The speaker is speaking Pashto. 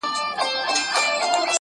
ه زيار دي دې سپين سترگي زمانې وخوړی_